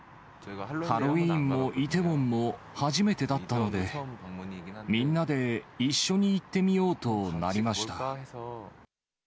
ハロウィーンもイテウォンも初めてだったので、みんなで一緒に行ってみようとなりました。